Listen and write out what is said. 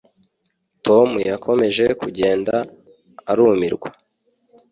tom yakomeje kugenda arumirwa